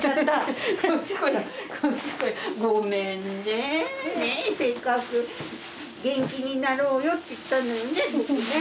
ごめんねせっかく元気になろうよって言ったのにね。